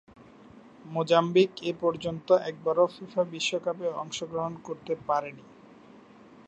Mozambique এপর্যন্ত একবারও FIFA বিশ্বকাপে অংশগ্রহণ করতে পারেনি।